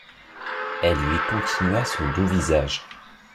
Elle lui continua son doux visage.